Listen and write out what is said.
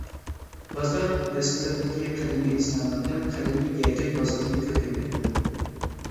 بازار رەستىلىرىدىكى قەدىمىي ئىزنالاردىن قەدىمىي يەكەن بازىرىنى كۆرگەندەك بولدۇم.